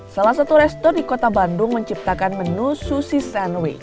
salah satu resto di kota bandung menciptakan menu sushi sandwich